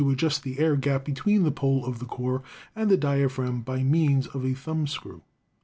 adjust the air gap between the pole of the core and the diaphragm by means of a thumbscrew.